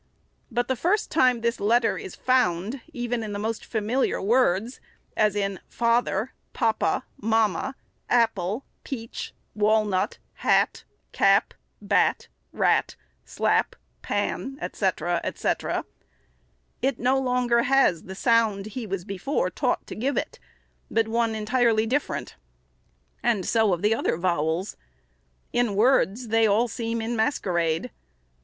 But the first time this letter is found, even in the most familiar words, — as in father, papa, mamma, apple, peach, walnut, hat, cap, bat, rat, slap, pan, &c., &c., — it no longer has the sound he was before taught to give it, but one entirely different. And so of the other vowels. In words, they all seem in masquerade.